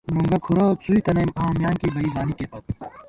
نُنگُہ کُھرَہ څُوئی تنَئیم آں، میانکی بئ زانِکےپت